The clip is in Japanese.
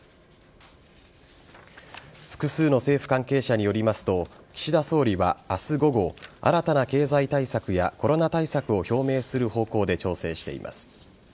複数の政府関係者によりますと岸田総理は明日午後新たな経済対策やコロナ対策を表明する方向で調整しています。